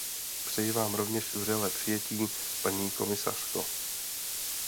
Přeji Vám rovněž vřelé přijetí, paní komisařko.